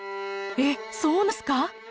えっそうなんですか？